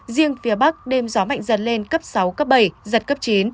riêng phía bắc đêm gió mạnh dần lên cấp sáu cấp bảy giật cấp chín